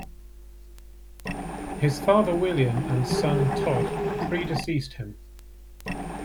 His father William and son Todd predeceased him.